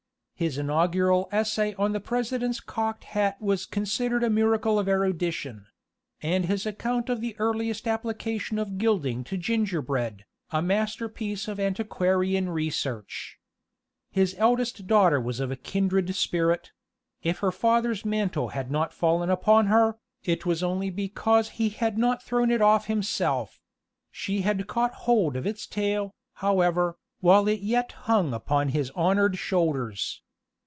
His inaugural essay on the President's cocked hat was considered a miracle of erudition; and his account of the earliest application of gilding to gingerbread, a masterpiece of antiquarian research. His eldest daughter was of a kindred spirit: if her father's mantle had not fallen upon her, it was only because he had not thrown it off himself; she had caught hold of its tail, however, while it yet hung upon his honored shoulders.